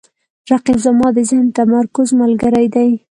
رقیب زما د ذهن د تمرکز ملګری دی